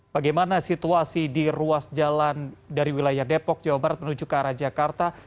bagaimana situasi di ruas jalan dari wilayah depok jawa barat menuju ke arah jakarta